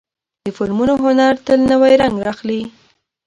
د فلمونو هنر تل نوی رنګ اخلي.